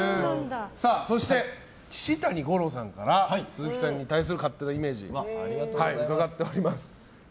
そして岸谷五朗さんから鈴木さんに対する勝手なイメージ伺っております。